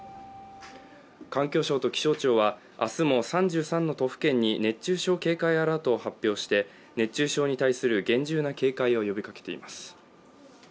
環境省と気象庁は明日も３３の都府県に熱中症警戒アラートを発表して熱中症に対する厳重な警戒を呼びかけています。